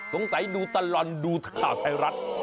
สงสัยดูตล่อนดูถ่าวไทรัตร